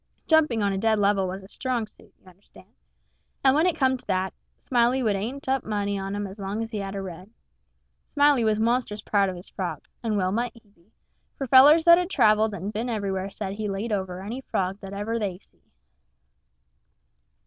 Jumping on a dead level was his strong suit, you understand; and when it come to that, Smiley would ante up money on him as long as he had a red. Smiley was monstrous proud of his frog, and well he might be, for fellers that had traveled and been everywheres all said he laid over any frog that ever they see.